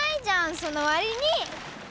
そのわりに！